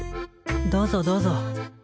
どうぞどうぞ。